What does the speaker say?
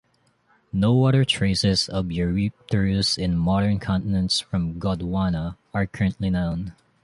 No other traces of "Eurypterus" in modern continents from Gondwana are currently known.